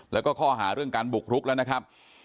แล้วก็คอหารเรื่องการบุกรุกนะครับ